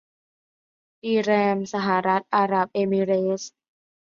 ดีแรห์มสหรัฐอาหรับเอมิเรตส์